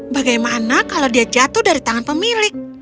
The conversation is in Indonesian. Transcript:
bagaimana kalau dia jatuh dari tangan pemilik